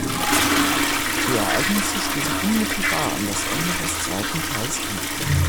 Die Ereignisse schließen unmittelbar an das Ende des zweiten Teils an.